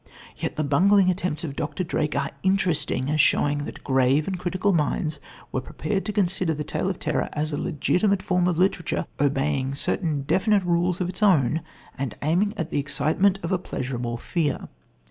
Yet the bungling attempts of Dr. Drake are interesting as showing that grave and critical minds were prepared to consider the tale of terror as a legitimate form of literature, obeying certain definite rules of its own and aiming at the excitement of a pleasurable fear.